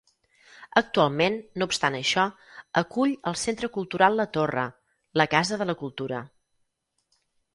Actualment, no obstant això, acull el Centre Cultural la Torre, la Casa de la Cultura.